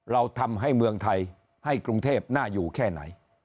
เราทำให้เมืองไทยให้กรุงเทพน่าอยู่แค่ไหน